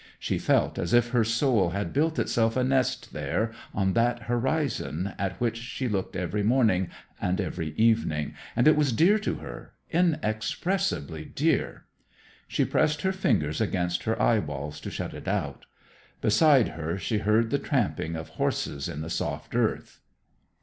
She felt as if her soul had built itself a nest there on that horizon at which she looked every morning and every evening, and it was dear to her, inexpressibly dear. She pressed her fingers against her eyeballs to shut it out. Beside her she heard the tramping of horses in the soft earth.